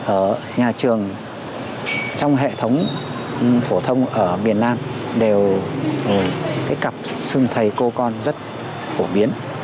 ở nhà trường trong hệ thống phổ thông ở miền nam đều cái cặp sưng thầy cô con rất phổ biến